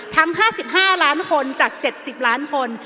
ทั้ง๕๕ล้านคนจาก๗๐ล้านคน